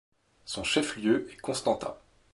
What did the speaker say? Son chef-lieu est Constanța.